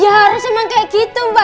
ya harus memang kayak gitu mbak